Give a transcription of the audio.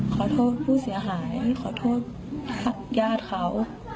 ขอโทษผู้เสียหายขอโทษญาติเขา